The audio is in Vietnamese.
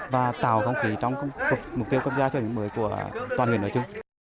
và tạo không khí trong mục tiêu cấp gia truyền hình mới của toàn huyện nói chung